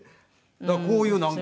だからこういうなんか。